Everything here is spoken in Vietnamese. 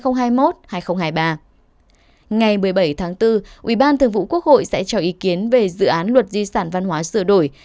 ngày một mươi bảy tháng bốn ủy ban thường vụ quốc hội sẽ cho ý kiến về dự án luật di sản văn hóa sửa đổi